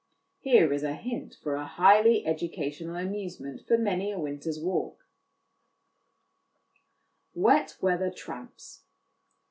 Here is a hint for a highly educa tional amusement for many a winter's walk. Wet Weather Tramps.